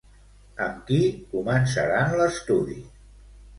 Amb qui començaran l'estudi?